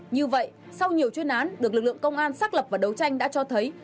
như vậy sau nhiều chuyên án được lực lượng công an xác lập và đấu tranh đã cho thấy